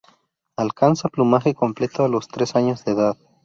Alcanza plumaje completo a los tres años de edad.